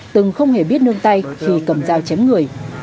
từng không hề biết nương tay khi cầm dao chém người